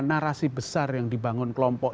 narasi besar yang dibangun kelompok